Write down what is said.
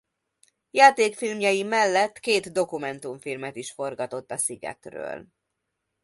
Játékfilmjei mellett két dokumentumfilmet is forgatott a szigetről.